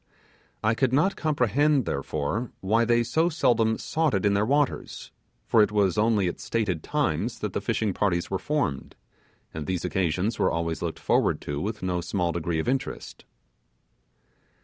I could not comprehend, therefore, why they so seldom sought it in their waters, for it was only at stated times that the fishing parties were formed, and these occasions were always looked forward to with no small degree of interest.